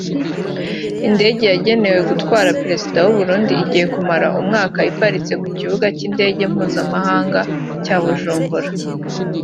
Indege yagenewe gutwara Perezida w’u Burundi igiye kumara umwaka iparitse ku kibuga cy’ indege mpuzamahanga cya Bujumbura